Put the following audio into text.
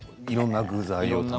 いろんな具材を。